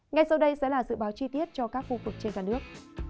ngay sau đây sẽ là dự báo chi tiết cho các khu vực trên cả nước